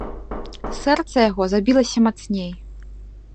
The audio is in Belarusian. Сэрца яго забілася мацней.